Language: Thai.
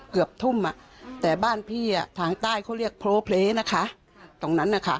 เกือบทุ่มแต่บ้านพี่ทางใต้เขาเรียกโพลเพลตรงนั้น